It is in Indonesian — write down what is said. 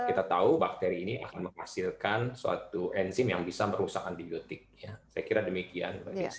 kita tahu bakteri ini akan menghasilkan suatu enzim yang bisa merusak antibiotik saya kira demikian